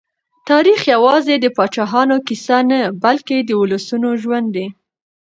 تاریخ یوازې د پاچاهانو کیسه نه، بلکې د ولسونو ژوند دی.